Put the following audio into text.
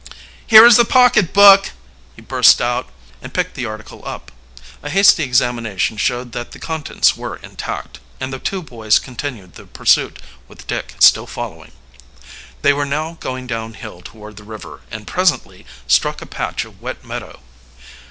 "Here is the pocketbook!" he burst out, and picked the article up. A hasty examination showed that the contents were intact; and the two boys continued the pursuit, with Dick still following. They were now going downhill toward the river, and presently struck a patch of wet meadow.